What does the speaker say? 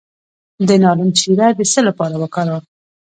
د نارنج شیره د څه لپاره وکاروم؟